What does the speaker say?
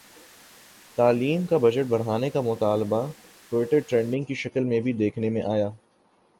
تعلیم کا بجٹ بڑھانے کا مطالبہ ٹوئٹر ٹرینڈز کی شکل میں بھی دیکھنے میں آیا